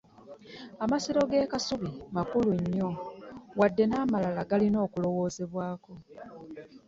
Amasiro g'ekasubi makulu nnyo wadde n'amalala galina okulowoozebwako